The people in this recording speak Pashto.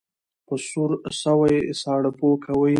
ـ په سور سوى، ساړه پو کوي.